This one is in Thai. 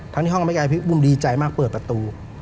ที่ห้องก็ไม่ไกลพี่บุ้มดีใจมากเปิดประตู